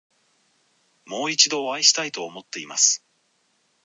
もう一度お会いしたいと思っています。